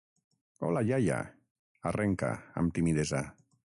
Hola, iaia —arrenca, amb timidesa—.